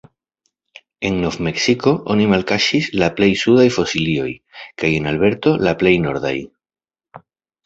En Nov-Meksiko oni malkaŝis la plej sudaj fosilioj kaj en Alberto la plej nordaj.